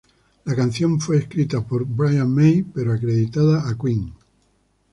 La canción fue escrita por Brian May pero acreditada a Queen.